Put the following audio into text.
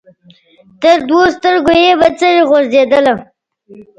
تر دوو سترګو یې بڅري غورځېدله